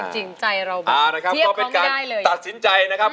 จริงใจเราเทียบไม่ได้เลย